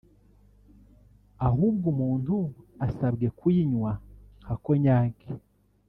ahubwo umuntu asabwe kuyinywa nka cognac